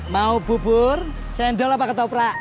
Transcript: mau bubur cendol apa ketoprak